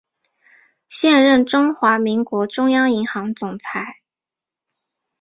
现任中华民国中央银行总裁。